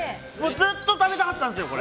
ずっと食べたかったんですよこれ。